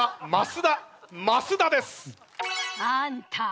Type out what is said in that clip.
あんた！